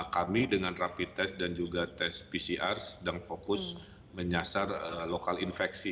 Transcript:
kami dengan rapid test dan juga tes pcr sedang fokus menyasar lokal infeksi